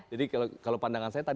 jadi kalau pandangan saya